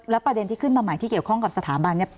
ประเด็นที่ขึ้นมาใหม่ที่เกี่ยวข้องกับสถาบันเนี่ย